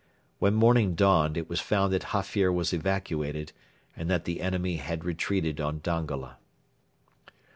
When morning dawned, it was found that Hafir was evacuated, and that the enemy had retreated on Dongola.